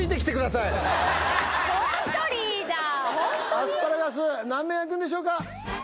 アスパラガス何面あくんでしょうか